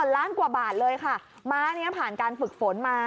ล้านกว่าบาทเลยค่ะม้านี้ผ่านการฝึกฝนมา